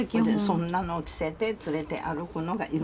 そんなのを着せて連れて歩くのが夢？